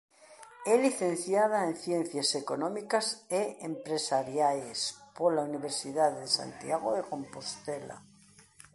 É Licenciada en Ciencias Económicas e Empresariais pola Universidade de Santiago de Compostela.